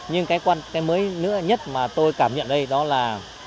nhưng cái mới nhất mà tôi cảm nhận đây đó là